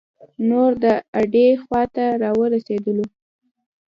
نور د اډې خواته را ورسیدلو.